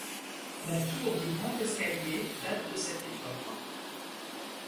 La tour du grand escalier date de cette époque.